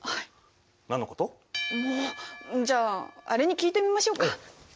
じゃああれに聞いてみましょうか。